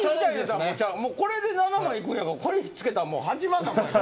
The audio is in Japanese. これで７万いくんやからこれつけたら８万。